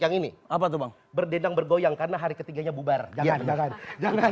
yang ini apa tuh bang berdendam bergoyang karena hari ketiganya bubarnya kekenyakan jangan jangan